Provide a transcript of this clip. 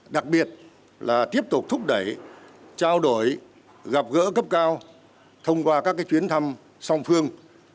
đặc biệt là tiếp tục thúc đẩy trao đổi gặp gỡ cấp cao thông qua các chuyến thăm song phương